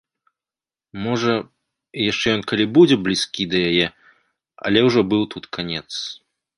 Можа, і яшчэ ён калі будзе блізкі да яе, але ўжо быў тут канец.